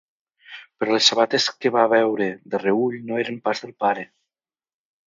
Però les sabates que va veure de reüll no eren pas del pare.